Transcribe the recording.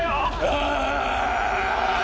ああ！